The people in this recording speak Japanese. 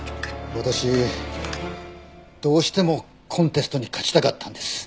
私どうしてもコンテストに勝ちたかったんです。